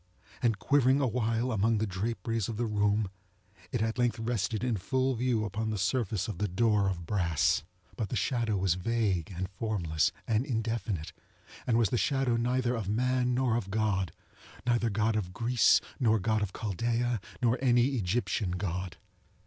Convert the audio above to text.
And quivering awhile among the draperies of the room, it at length rested in full view upon the surface of the door of brass. But the shadow was vague, and formless, and indefinite, and was the shadow neither of man nor of GodŌĆöneither God of Greece, nor God of Chaldaea, nor any Egyptian God.